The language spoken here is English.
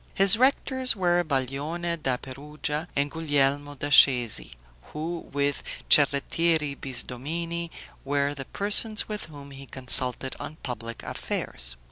His rectors were Baglione da Perugia and Guglielmo da Scesi, who, with Cerrettieri Bisdomini, were the persons with whom he consulted on public affairs.